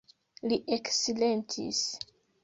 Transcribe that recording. Li eksilentis.